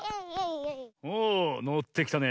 おおのってきたね。